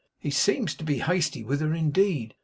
'He seems to be hasty with her, indeed.